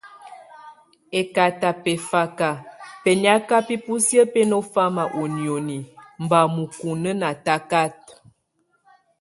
Ekatabɛfakǎ bɛniaka bɛ busiə bɛnɔ fama ɔ nioni mba mukunə natakat.